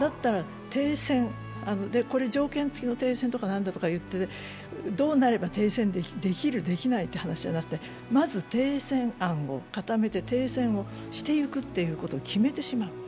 だったら停戦、条件付きの停戦とかなんとかいって、どうなれば停戦できる、できないという話じゃなくてまず停戦案を固めて停戦をしていくということを決めてしまう。